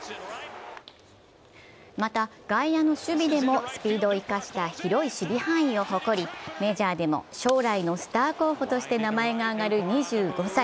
また、外野の守備でもスピードを生かした広い守備範囲を誇り、メジャーでも将来のスター候補として名前が挙がる２５歳。